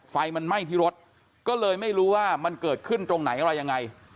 ไฟมันไหม้ที่รถก็เลยไม่รู้ว่ามันเกิดขึ้นตรงไหนอะไรยังไง